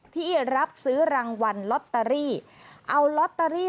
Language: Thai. ที่รับซื้อรางวัลลอตเตอรี่